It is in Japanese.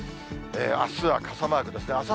あすは傘マークですね。